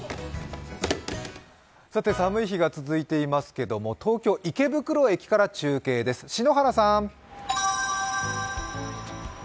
さて寒い日が続いていますけれども東京・池袋駅から中継です。